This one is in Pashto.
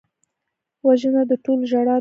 وژنه د ټولو ژړا ده